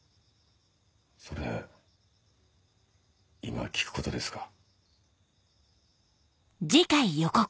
それ今聞くことですか？